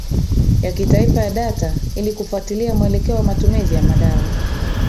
ya kitaifa ya data ili kufuatilia mwelekeo wa matumizi ya madawa